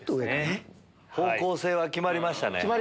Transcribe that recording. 方向性は決まりましたね。